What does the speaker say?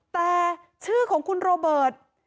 แต่ชื่อของคุณโรเบิร์ต